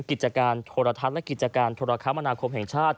กิจการโทรทัศน์และกิจการโทรคมนาคมแห่งชาติ